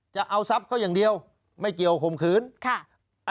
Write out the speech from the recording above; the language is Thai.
จะเอาทรัพย์เขาอย่างเดียวไม่เกี่ยวข่มขืนค่ะ